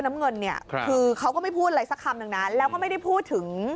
น้ำเงินเนี่ยคือเขาก็ไม่พูดอะไรสักคำหนึ่งนะแล้วก็ไม่ได้พูดถึง